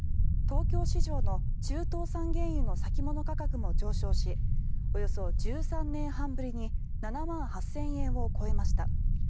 東京市場の中東産原油の先物価格も上昇しおよそ１３年半ぶりに７万８０００円を超えました。